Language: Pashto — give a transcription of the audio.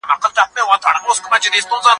پر وخت ډاکټر ته ولاړ شه